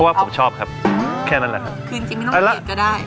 ว่าผมชอบครับแค่นั้นแหละครับคือจริงจริงไม่ต้องเปิดก็ได้